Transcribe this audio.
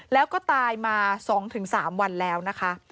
แล้วก็ตายมา๒๓วันแล้วนะคะ